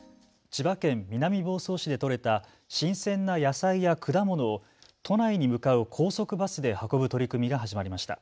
千葉県南房総市で取れた新鮮な野菜や果物を都内に向かう高速バスで運ぶ取り組みが始まりました。